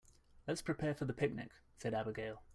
"Let's prepare for the picnic!", said Abigail.